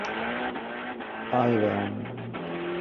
活得合意